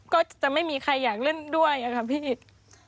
ก็จะไม่มีใครอยากเล่นด้วยค่ะพี่